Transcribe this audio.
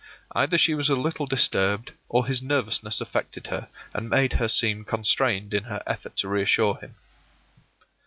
Either she was a little disturbed, or his nervousness affected her, and made her seem constrained in her effort to reassure him.